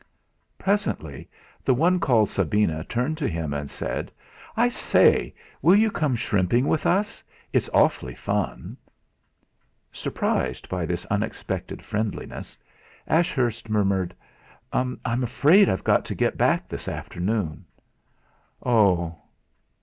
Presently the one called Sabina turned to him and said: "I say, will you come shrimping with us? it's awful fun!" Surprised by this unexpected friendliness, Ashurst murmured: "I'm afraid I've got to get back this afternoon." "Oh!"